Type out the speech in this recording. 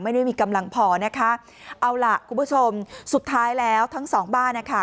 ไม่ได้มีกำลังพอนะคะเอาล่ะคุณผู้ชมสุดท้ายแล้วทั้งสองบ้านนะคะ